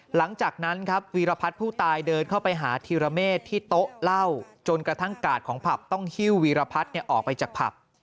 หลังจากนั้นครับวีรพัฒน์ผู้ตายเดินเข้าไปหาธีรเมฆที่โต๊ะเหล้าจนกระทั่งกาดของผับต้องหิ้ววีรพัฒน์ออกไปจากผับ